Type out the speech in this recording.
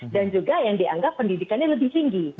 dan juga yang dianggap pendidikannya lebih tinggi